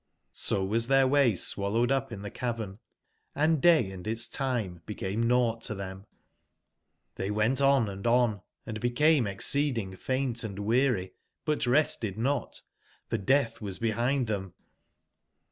So was their way swal lowed up in tbe cavern, and day and its time became nought to them; they went on and on, and became exceeding faint and weary, but rested not, for death was behind them.